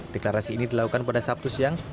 deklarasi ini dilakukan pada sabtu siang